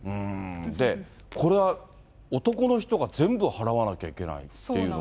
これは男の人が全部払わなきゃいけないっていうのが。